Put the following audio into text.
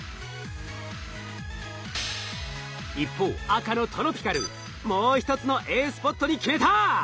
一方赤のトロピカルもう一つのＡスポットに決めた！